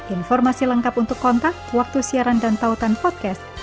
informasi lengkap untuk kontak waktu siaran dan tautan podcast